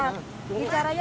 bicaranya baik baik dulu